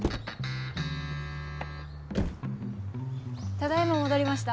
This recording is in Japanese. ただ今戻りました。